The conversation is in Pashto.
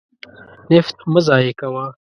نفت مه ضایع کوه.